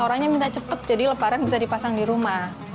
orangnya minta cepet jadi lebaran bisa dipasang di rumah